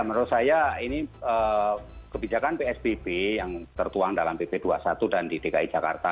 menurut saya ini kebijakan psbb yang tertuang dalam pp dua puluh satu dan di dki jakarta